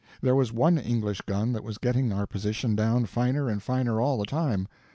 There was one English gun that was getting our position down finer and finer all the time.